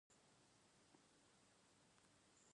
Тәык иеиԥш, бааигәа сааныжь…